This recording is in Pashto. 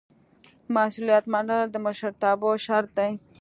مسؤلیت منل د مشرتابه شرط دی.